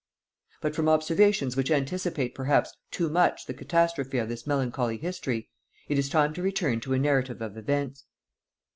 But from observations which anticipate perhaps too much the catastrophe of this melancholy history, it is time to return to a narrative of events.